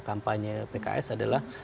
kampanye pks adalah